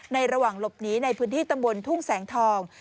ระหว่างหลบหนีในพื้นที่ตำบลทุ่งแสงทอง